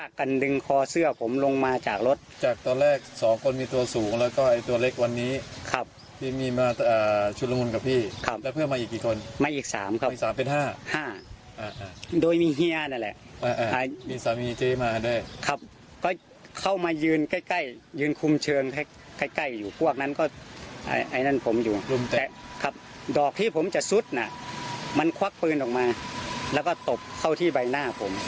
แต่ดอกที่ผมจะซุดน่ะมันควักปืนออกมาแล้วก็ตบเข้าที่ใบหน้าผม